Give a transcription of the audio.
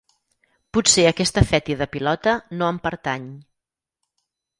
Potser aquesta fètida pilota no em pertany.